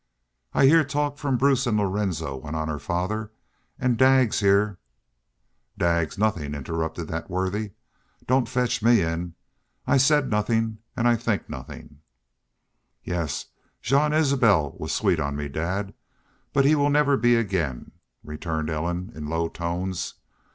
"I heah talk from Bruce an' Lorenzo," went on her father. "An' Daggs heah " "Daggs nothin'!" interrupted that worthy. "Don't fetch me in. I said nothin' an' I think nothin'." "Yes, Jean Isbel was sweet on me, dad ... but he will never be again," returned Ellen, in low tones.